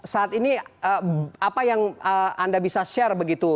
saat ini apa yang anda bisa share begitu